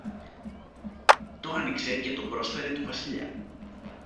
το άνοιξε και το πρόσφερε του Βασιλιά